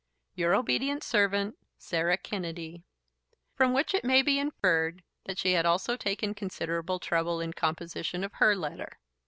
Your obedient servant, Sarah Kennedy." From which it may be inferred that she had also taken considerable trouble in the composition of her letter.